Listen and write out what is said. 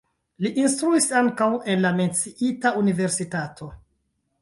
Li instruis ankaŭ en la menciita universitato.